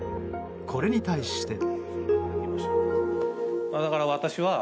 これに対して。